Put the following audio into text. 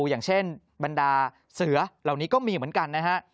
อย่างเช่นบรรดาเสือเหล่านี้ก็มีเหมือนกันนะฮะ